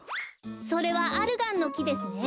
それはアルガンのきですね。